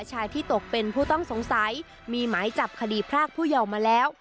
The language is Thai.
ชายที่ตกเป็นผู้ต้องสงสัยมีหมายจับคดีพรากผู้เยาว์มาแล้ว